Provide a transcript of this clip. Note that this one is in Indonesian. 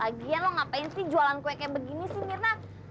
lagian lo ngapain sih jualan kue kayak begini sih mirna